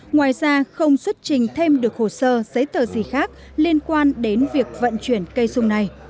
ngoài ra không xuất trình thêm được hồ sơ giấy tờ gì khác liên quan đến việc vận chuyển cây sung này